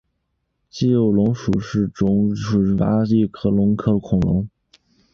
肌肉龙属是种原始阿贝力龙科恐龙。